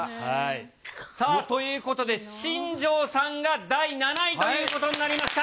さあ、ということで、新庄さんが第７位ということになりました。